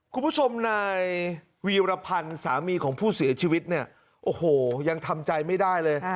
คุณผู้ชมนายวีรพันธ์สามีของผู้เสียชีวิตเนี่ยโอ้โหยังทำใจไม่ได้เลย